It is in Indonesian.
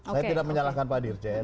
saya tidak menyalahkan pak dirjen